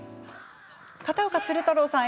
片岡鶴太郎さん